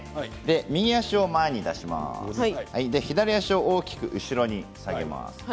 右足を出して左足を大きく後ろに下げます。